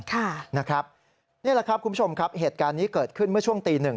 นี่แหละครับคุณผู้ชมครับเหตุการณ์นี้เกิดขึ้นเมื่อช่วงตีหนึ่ง